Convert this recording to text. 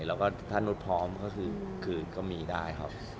แล้วก็ถ้านุษย์พร้อมก็คือคืนก็มีได้ครับ